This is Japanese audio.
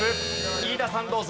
飯田さんどうぞ。